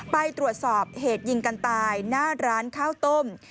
ไปตรวจสอบเหตุยิงกันตายหน้าร้านข้าวต้ม